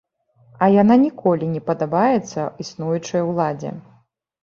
А яна ніколі не падабаецца існуючай уладзе.